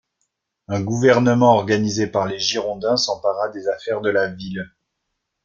Un gouvernement organisé par les Girondins s'empara des affaires de la ville.